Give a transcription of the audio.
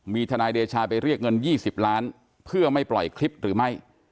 มีทนายเดชาไปเรียกเงิน๒๐ล้านเพื่อไม่ปล่อยคลิปหรือไม่